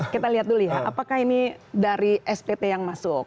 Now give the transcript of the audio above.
kita lihat dulu ya apakah ini dari spt yang masuk